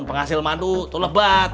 penghasil mandu tuh lebat